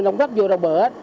nông thấp vô đồng bờ hết